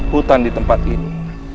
hutan ditempat ini